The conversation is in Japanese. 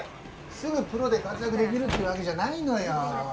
すぐプロで活躍できるってわけじゃないのよ。